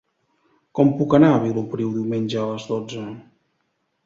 Com puc anar a Vilopriu diumenge a les dotze?